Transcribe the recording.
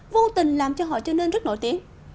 vô tình làm cho họ trở nên rất nổi tiếng